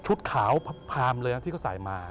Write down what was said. ขาวพรามเลยนะที่เขาใส่มา